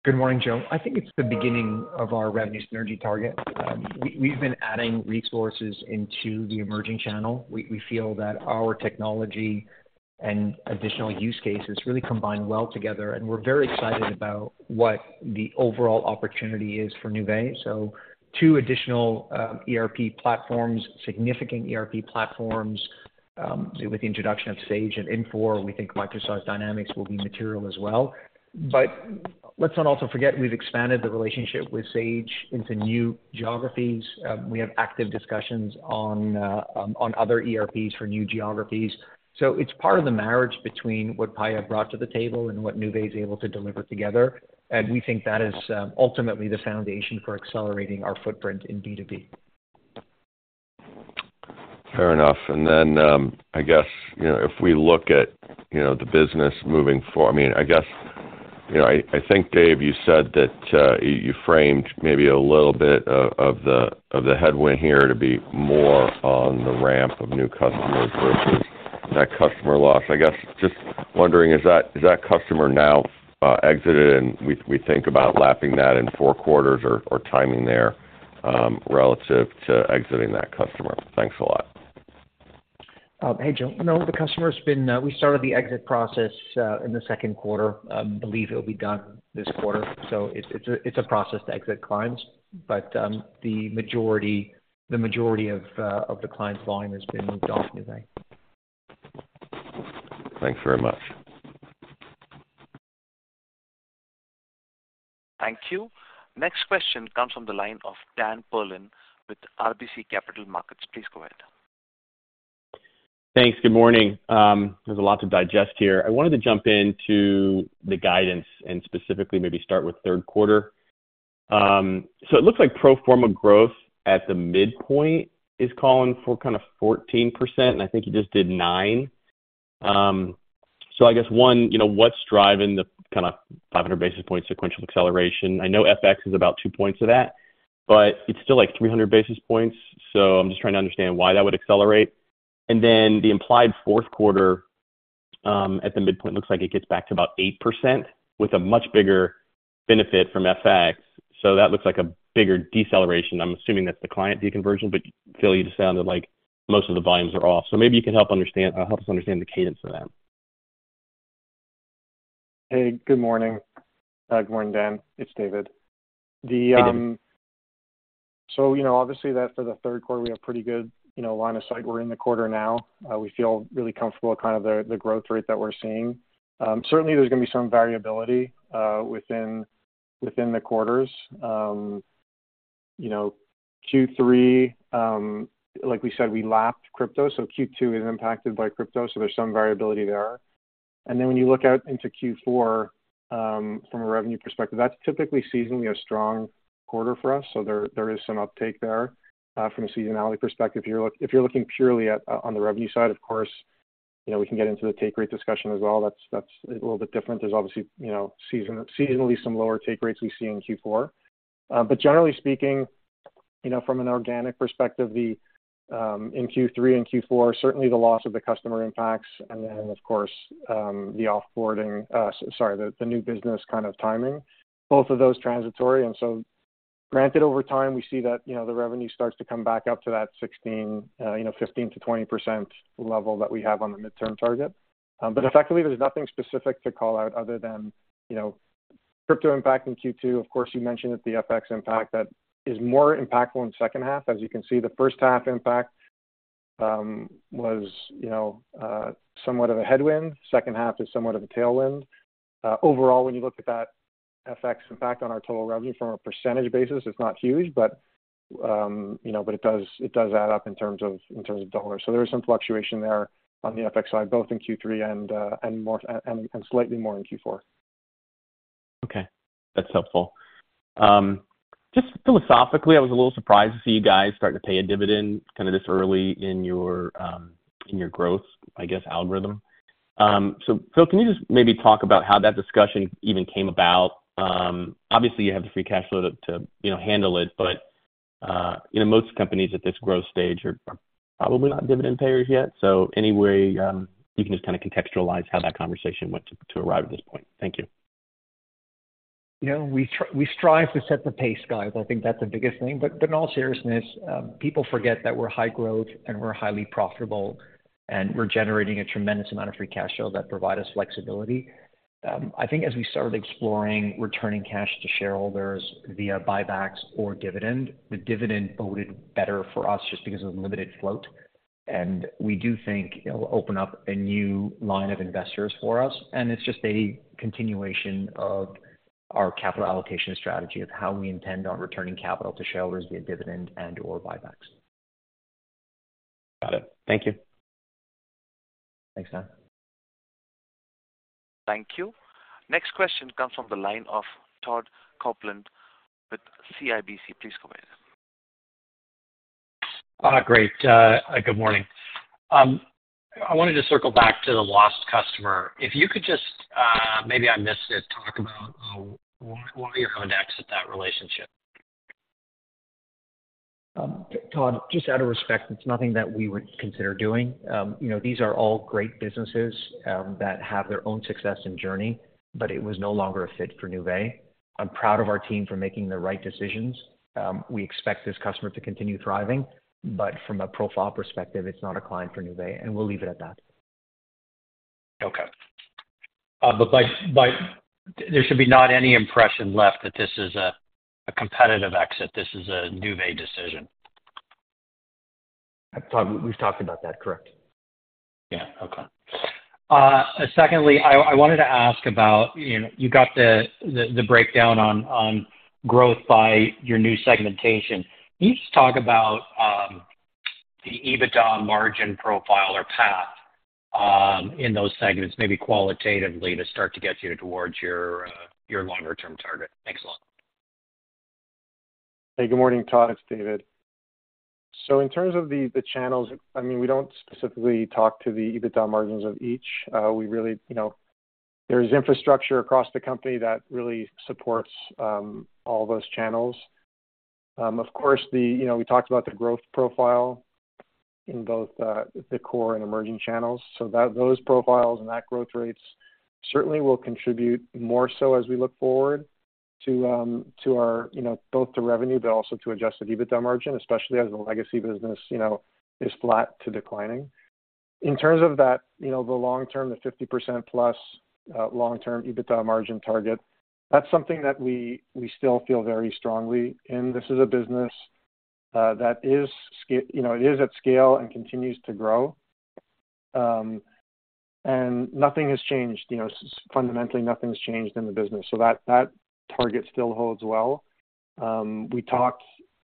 Good morning, Joe. I think it's the beginning of our revenue synergy target. We've been adding resources into the emerging channel. We feel that our technology and additional use cases really combine well together, and we're very excited about what the overall opportunity is for Nuvei. Two additional ERP platforms, significant ERP platforms, with the introduction of Sage and Infor. We think Microsoft Dynamics will be material as well. Let's not also forget, we've expanded the relationship with Sage into new geographies. We have active discussions on other ERPs for new geographies. It's part of the marriage between what Paya brought to the table and what Nuvei is able to deliver together, and we think that is ultimately the foundation for accelerating our footprint in B2B. Fair enough. Then, I guess, you know, if we look at, you know, the business moving forward. I mean, I guess, you know, I, I think, Dave, you said that, you, you framed maybe a little bit of, of the, of the headwind here to be more on the ramp of new customers versus that customer loss. I guess, just wondering, is that, is that customer now, exited, and we, we think about lapping that in four quarters or, or timing there, relative to exiting that customer? Thanks a lot. Hey, Joe. No, the customer's been, we started the exit process in the second quarter. Believe it'll be done this quarter. It's, it's a, it's a process to exit clients, but the majority, the majority of the client's volume has been moved off Nuvei. Thanks very much. Thank you. Next question comes from the line of Daniel Perlin with RBC Capital Markets. Please go ahead. Thanks. Good morning. There's a lot to digest here. I wanted to jump into the guidance and specifically maybe start with third quarter. It looks like pro forma growth at the midpoint is calling for kind of 14%, and I think you just did nine. I guess, one, you know, what's driving the kind of 500 basis points sequential acceleration? I know FX is about 2 points of that, but it's still like 300 basis points, so I'm just trying to understand why that would accelerate. The implied fourth quarter-... at the midpoint, looks like it gets back to about 8% with a much bigger benefit from FX. That looks like a bigger deceleration. I'm assuming that's the client deconversion, but Phil, you sounded like most of the volumes are off. Maybe you can help understand, help us understand the cadence of that. Hey, good morning. Good morning, Dan. It's David. Hey, David. You know, obviously, that for the third quarter, we have pretty good, you know, line of sight. We're in the quarter now, we feel really comfortable with kind of the, the growth rate that we're seeing. Certainly there's going to be some variability within, within the quarters. You know, Q3, like we said, we lapped crypto, so Q2 is impacted by crypto, so there's some variability there. When you look out into Q4, from a revenue perspective, that's typically seasonally a strong quarter for us, so there, there is some uptake there. From a seasonality perspective, if you're looking purely at, on the revenue side, of course, you know, we can get into the take rate discussion as well. That's, that's a little bit different. There's obviously, you know, seasonally some lower take rates we see in Q4. Generally speaking, you know, from an organic perspective, the, in Q3 and Q4, certainly the loss of the customer impacts, and then, of course, the off-boarding, sorry, the, the new business kind of timing, both of those transitory. Granted, over time, we see that, you know, the revenue starts to come back up to that 16, you know, 15%-20% level that we have on the midterm target. Effectively, there's nothing specific to call out other than, you know, crypto impact in Q2. Of course, you mentioned that the FX impact that is more impactful in the second half. As you can see, the first half impact, was, you know, somewhat of a headwind. Second half is somewhat of a tailwind. Overall, when you look at that FX impact on our total revenue from a percentage basis, it's not huge, but, you know, but it does, it does add up in terms of, in terms of dollars. There is some fluctuation there on the FX side, both in Q3 and more, and slightly more in Q4. Okay, that's helpful. Just philosophically, I was a little surprised to see you guys starting to pay a dividend kind of this early in your, in your growth, I guess, algorithm. Phil, can you just maybe talk about how that discussion even came about? Obviously, you have the free cash flow to, to, you know, handle it, but, you know, most companies at this growth stage are probably not dividend payers yet. Any way, you can just kind of contextualize how that conversation went to, to arrive at this point. Thank you. You know, we strive to set the pace, guys. I think that's the biggest thing. But in all seriousness, people forget that we're high growth and we're highly profitable, and we're generating a tremendous amount of free cash flow that provide us flexibility. I think as we started exploring returning cash to shareholders via buybacks or dividend, the dividend boded better for us just because of the limited float. We do think it'll open up a new line of investors for us, and it's just a continuation of our capital allocation strategy of how we intend on returning capital to shareholders via dividend and/or buybacks. Got it. Thank you. Thanks, Dan. Thank you. Next question comes from the line of Todd Coupland with CIBC. Please go ahead. Great, good morning. I wanted to circle back to the lost customer. If you could just, maybe I missed it, talk about, why, why your code exit that relationship? Todd, just out of respect, it's nothing that we would consider doing. You know, these are all great businesses, that have their own success and journey, but it was no longer a fit for Nuvei. I'm proud of our team for making the right decisions. We expect this customer to continue thriving, but from a profile perspective, it's not a client for Nuvei, and we'll leave it at that. Okay. There should be not any impression left that this is a, a competitive exit, this is a Nuvei decision? Todd, we've talked about that, correct? Yeah. Okay. Secondly, I, I wanted to ask about, you know, you got the, the, the breakdown on, on growth by your new segmentation. Can you just talk about the EBITDA margin profile or path in those segments, maybe qualitatively, to start to get you towards your longer-term target? Thanks a lot. Hey, good morning, Todd, it's David. In terms of the, the channels, I mean, we don't specifically talk to the EBITDA margins of each. We really, you know, there's infrastructure across the company that really supports all those channels. Of course, the, you know, we talked about the growth profile in both the core and emerging channels. That, those profiles and that growth rates certainly will contribute more so as we look forward to our, you know, both to revenue, but also to adjusted EBITDA margin, especially as the legacy business, you know, is flat to declining. In terms of that, you know, the long term, the 50% plus long-term EBITDA margin target, that's something that we, we still feel very strongly in. This is a business, you know, that is at scale and continues to grow. Nothing has changed. You know, fundamentally, nothing's changed in the business, so that, that target still holds well. We talked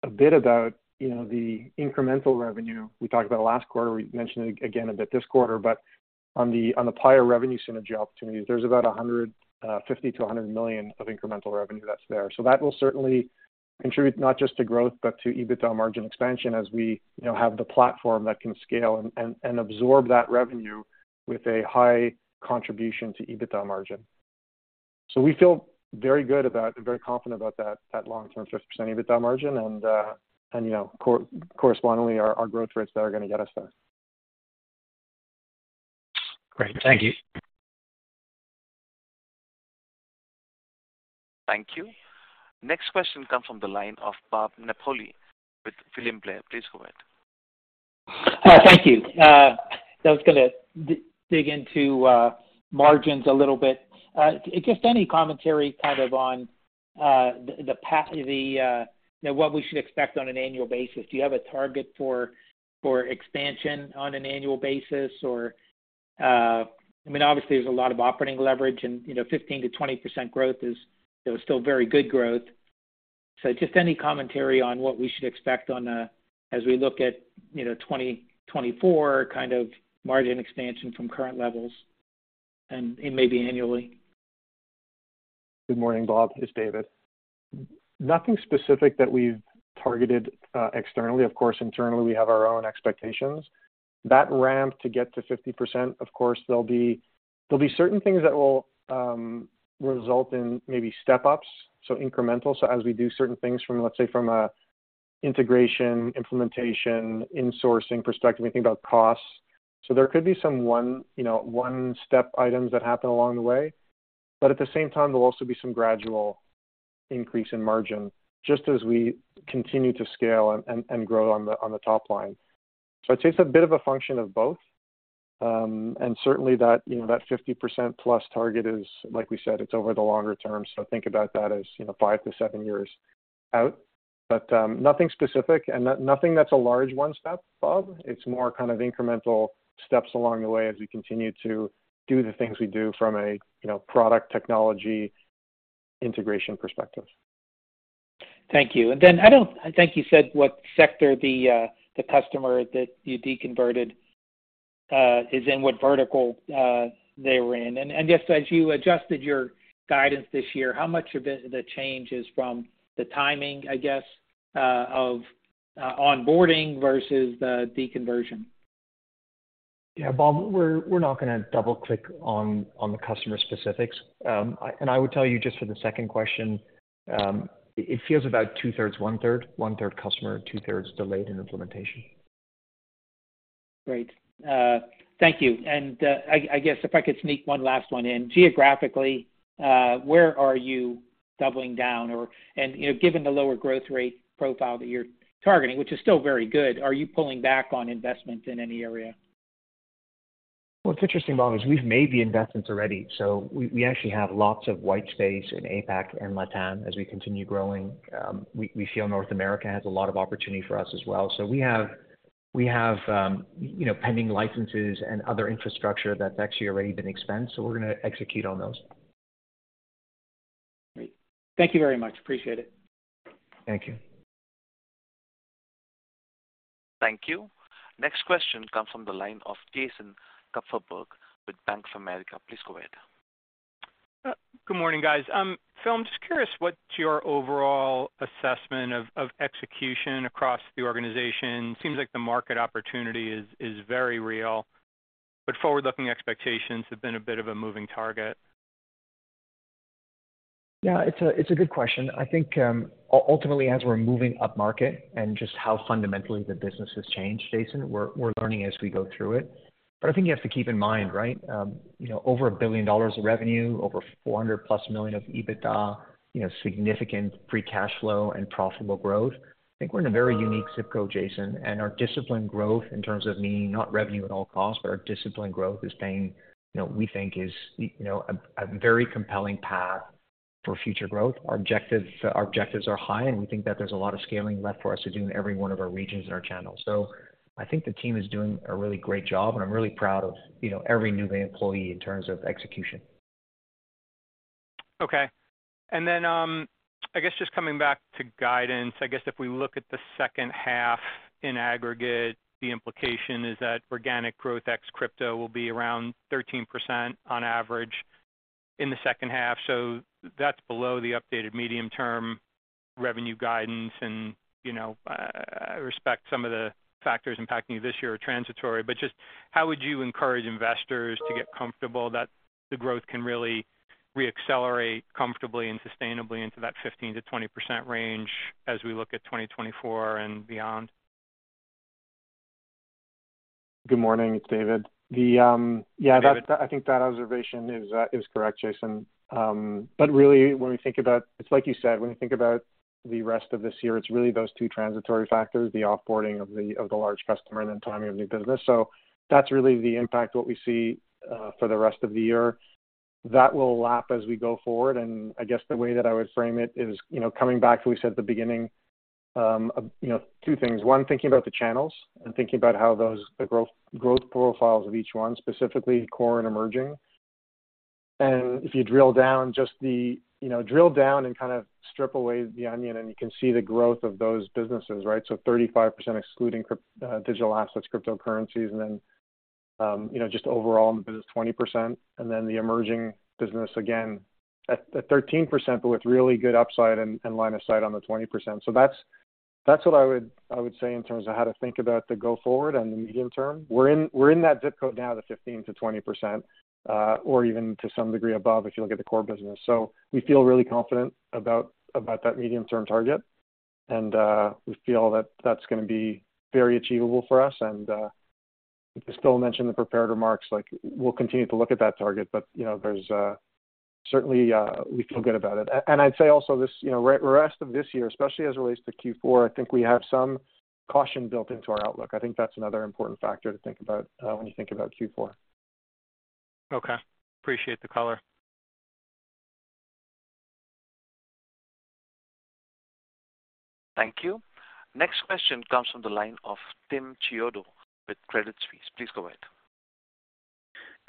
a bit about, you know, the incremental revenue. We talked about it last quarter, we mentioned it again a bit this quarter, but on the, on the prior revenue synergy opportunities, there's about $150 million to $100 million of incremental revenue that's there. That will certainly contribute not just to growth, but to EBITDA margin expansion, as we, you know, have the platform that can scale and, and, and absorb that revenue with a high contribution to EBITDA margin. We feel very good about and very confident about that, that long term 50% EBITDA margin and, and, you know, correspondingly our, our growth rates that are going to get us there. Great. Thank you. Thank you. Next question comes from the line of Bob Napoli with William Blair. Please go ahead. Thank you. I was going to dig into margins a little bit. Just any commentary kind of on the path, you know, what we should expect on an annual basis. Do you have a target for expansion on an annual basis? I mean, obviously, there's a lot of operating leverage and, you know, 15%-20% growth is, you know, still very good growth. Just any commentary on what we should expect on as we look at, you know, 2024 kind of margin expansion from current levels and maybe annually. Good morning, Bob. It's David. Nothing specific that we've targeted externally. Of course, internally, we have our own expectations. That ramp to get to 50%, of course, there'll be certain things that will result in maybe step ups, so incremental. As we do certain things from, let's say, from a integration, implementation, insourcing perspective, we think about costs. There could be some one, you know, one-step items that happen along the way, but at the same time, there'll also be some gradual increase in margin, just as we continue to scale and, and grow on the, on the top line. It takes a bit of a function of both. Certainly that, you know, that 50% plus target is, like we said, it's over the longer term, so think about that as, you know, five years to seven years out. Nothing specific and not nothing that's a large one step, Bob. It's more kind of incremental steps along the way as we continue to do the things we do from a, you know, product technology integration perspective. Thank you. I think you said what sector the customer that you deconverted is in, what vertical they were in? Just as you adjusted your guidance this year, how much of it, the change is from the timing, I guess, of onboarding versus the deconversion? Yeah, Bob, we're, we're not going to double click on, on the customer specifics. I would tell you just for the second question, it feels about 2/3, 1/3. 1/3 customer, 2/3 delayed in implementation. Great. Thank you. I, I guess if I could sneak one last one in. Geographically, where are you doubling down? Or, you know, given the lower growth rate profile that you're targeting, which is still very good, are you pulling back on investments in any area? What's interesting, Bob, is we've made the investments already, so we, we actually have lots of white space in APAC and LATAM as we continue growing. We, we feel North America has a lot of opportunity for us as well. We have, we have, you know, pending licenses and other infrastructure that's actually already been expensed, so we're going to execute on those. Great. Thank you very much. Appreciate it. Thank you. Thank you. Next question comes from the line of Jason Kupferberg with Bank of America. Please go ahead. Good morning, guys. Phil, I'm just curious what's your overall assessment of execution across the organization? Seems like the market opportunity is very real, but forward-looking expectations have been a bit of a moving target. Yeah, it's a, it's a good question. I think, ultimately, as we're moving upmarket and just how fundamentally the business has changed, Jason, we're, we're learning as we go through it. But I think you have to keep in mind, right, you know, over $1 billion of revenue, over $400+ million of EBITDA, you know, significant free cash flow and profitable growth. I think we're in a very unique zip code, Jason, and our disciplined growth in terms of meaning not revenue at all costs, but our disciplined growth is paying, you know, we think is, you know, a, a very compelling path for future growth. Our objectives, our objectives are high, and we think that there's a lot of scaling left for us to do in every one of our regions and our channels. I think the team is doing a really great job, and I'm really proud of, you know, every Nuvei employee in terms of execution. Okay. I guess just coming back to guidance, I guess if we look at the second half in aggregate, the implication is that organic growth ex crypto will be around 13% on average in the second half. That's below the updated medium-term revenue guidance and, you know, I respect some of the factors impacting you this year are transitory, just how would you encourage investors to get comfortable that the growth can really reaccelerate comfortably and sustainably into that 15%-20% range as we look at 2024 and beyond? Good morning, it's David. The Yeah, David. I think that observation is correct, Jason. Really, when we think about, it's like you said, when we think about the rest of this year, it's really those two transitory factors, the off-boarding of the, of the large customer and then timing of new business. That's really the impact, what we see, for the rest of the year. That will lap as we go forward. I guess the way that I would frame it is, you know, coming back to what we said at the beginning, you know, two things. One, thinking about the channels and thinking about how those, the growth, growth profiles of each one, specifically core and emerging. If you drill down, just the, you know, drill down and kind of strip away the onion, and you can see the growth of those businesses, right? 35%, excluding digital assets, cryptocurrencies, then, you know, just overall in the business, 20%. Then the emerging business, again, at 13%, but with really good upside and line of sight on the 20%. That's what I would, I would say in terms of how to think about the go forward and the medium term. We're in, we're in that zip code now, the 15%-20%, or even to some degree above, if you look at the core business. We feel really confident about, about that medium-term target, and we feel that that's gonna be very achievable for us. As Phil mentioned in the prepared remarks, like, we'll continue to look at that target, but, you know, there's certainly we feel good about it. I'd say also this, you know, rest of this year, especially as it relates to Q4, I think we have some caution built into our outlook. I think that's another important factor to think about when you think about Q4. Okay, appreciate the color. Thank you. Next question comes from the line of Timothy Chiodo with Credit Suisse. Please go ahead.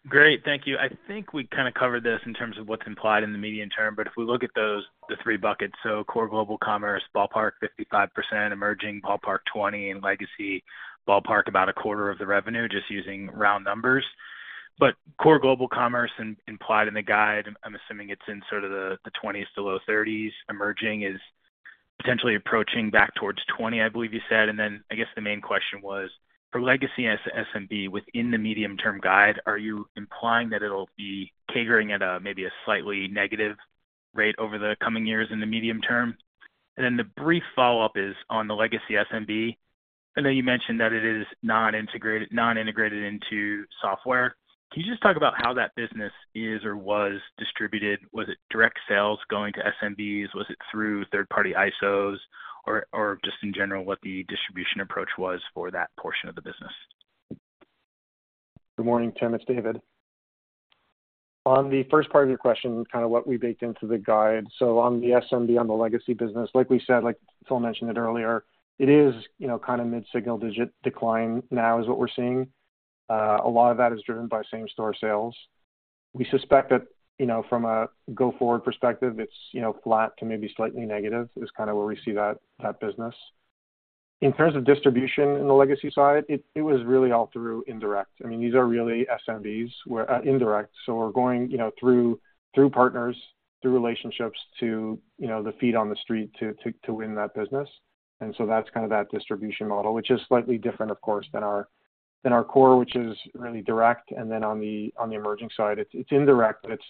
Great, thank you. I think it kind of covered this in terms of what's implied in the medium term. If we look at those, the three buckets, core global commerce, ballpark 55%, emerging ballpark 20, and legacy ballpark about 25% of the revenue, just using round numbers. Core global commerce implied in the guide, I'm assuming it's in sort of the, the 20s to low 30s. Emerging is potentially approaching back towards 20, I believe you said. I guess the main question was, for legacy SMB within the medium-term guide, are you implying that it'll be catering at a maybe a slightly negative rate over the coming years in the medium term? The brief follow-up is on the legacy SMB. I know you mentioned that it is not integrated, not integrated into software. Can you just talk about how that business is or was distributed? Was it direct sales going to SMBs? Was it through third-party ISOs? Or just in general, what the distribution approach was for that portion of the business. Good morning, Tim, it's David. On the first part of your question, kind of what we baked into the guide. On the SMB, on the legacy business, like we said, like Phil mentioned it earlier, it is, you know, kind of mid-single-digit decline now is what we're seeing. A lot of that is driven by same-store sales. We suspect that, you know, from a go-forward perspective, it's, you know, flat to maybe slightly negative, is kind of where we see that, that business. In terms of distribution in the legacy side, it, it was really all through indirect. I mean, these are really SMBs where, indirect. We're going, you know, through, through partners, through relationships to, you know, the feet on the street to, to, to win that business. That's kind of that distribution model, which is slightly different, of course, than our, than our core, which is really direct. Then on the, on the emerging side, it's, it's indirect, but it's,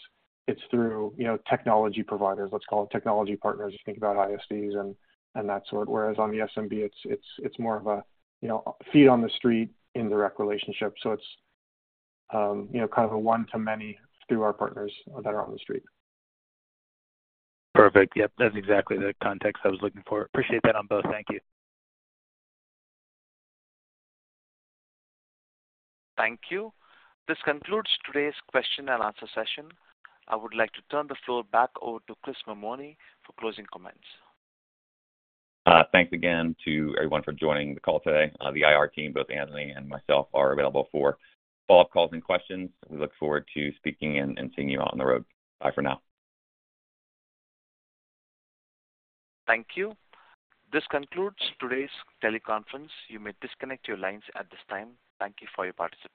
it's through, you know, technology providers. Let's call them technology partners, if you think about ISVs and, and that sort. Whereas on the SMB, it's, it's, it's more of a, you know, feet on the street, indirect relationship. It's, you know, kind of a one-to-many through our partners that are on the street. Perfect. Yep, that's exactly the context I was looking for. Appreciate that on both. Thank you. Thank you. This concludes today's question and answer session. I would like to turn the floor back over to Chris Mammone for closing comments. Thanks again to everyone for joining the call today. The IR team, both Anthony and myself, are available for follow-up calls and questions. We look forward to speaking and, and seeing you on the road. Bye for now. Thank you. This concludes today's teleconference. You may disconnect your lines at this time. Thank you for your participation.